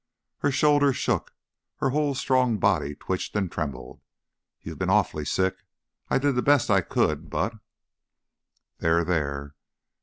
Her shoulders shook, her whole strong body twitched and trembled. "You've b been awful sick. I did the best I could, but " "There, there!"